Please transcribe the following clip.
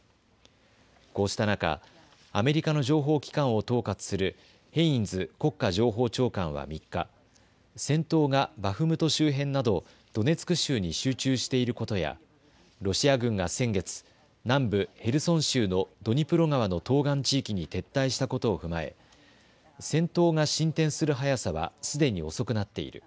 こうした中、アメリカの情報機関を統轄するヘインズ国家情報長官は３日、戦闘がバフムト周辺などドネツク州に集中していることやロシア軍が先月、南部ヘルソン州のドニプロ川の東岸地域に撤退したことを踏まえ戦闘が進展する速さはすでに遅くなっている。